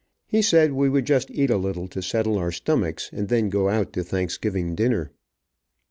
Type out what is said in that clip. He said we would just eat a little to settle our stomachs, and then go out to Thanksgiving dinner.